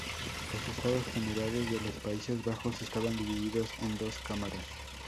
Los Estados Generales de los Países Bajos estaban divididos en dos cámaras.